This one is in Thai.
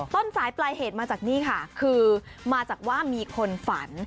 ต้นสายปลายเหตุมาจากนี่ค่ะคือมาจากว่ามีคนฝัน